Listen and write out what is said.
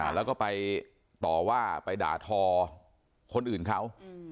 แล้วก็ไปต่อว่าไปด่าทอคนอื่นเขา